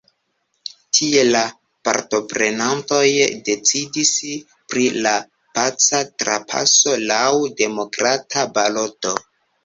Tie la partoprenantoj decidis pri la paca trapaso laŭ demokrata baloto.